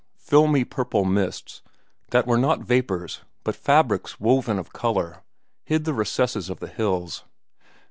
Filmy purple mists, that were not vapors but fabrics woven of color, hid in the recesses of the hills.